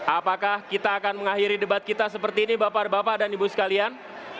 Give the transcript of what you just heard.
apakah kita akan mengakhiri debat kita seperti ini bapak bapak dan ibu sekalian